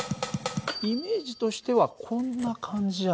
イメージとしてはこんな感じじゃないかな。